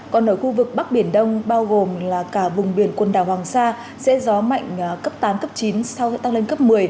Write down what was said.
còn ở khu vực bắc biển đông bao gồm cả vùng biển quần đảo hoàng sa sẽ gió mạnh cấp tám cấp chín sau sẽ tăng lên cấp một mươi